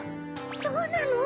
そうなの？